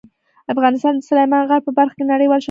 افغانستان د سلیمان غر په برخه کې نړیوال شهرت لري.